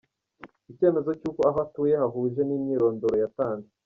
Icyemezo cy’uko aho atuye hahuje n’imyorondoro yatanze.